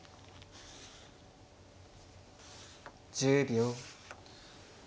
１０秒。